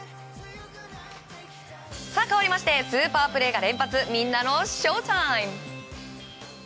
かわりましてスーパープレーが連発みんなのＳＨＯＷＴＩＭＥ！